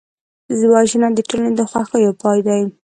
وژنه د ټولنې د خوښیو پای دی